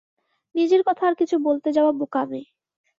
নিজের কথা আর কিছু বলতে যাওয়া বোকামি।